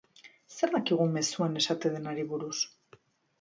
Zer dakigu mezuan esaten denari buruz?